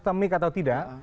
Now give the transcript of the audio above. sistemik atau tidak